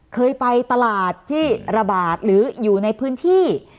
เคยไปตลาดที่ระบาดหรืออยู่ในพื้นที่